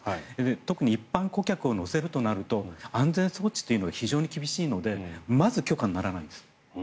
特に一般顧客を乗せるとなると安全装置は非常に厳しいのでまず、許可にならないです。